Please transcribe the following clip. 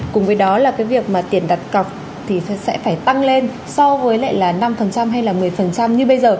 cùng với đó là cái việc mà tiền đặt cọc thì sẽ phải tăng lên so với lại là năm hay là một mươi như bây giờ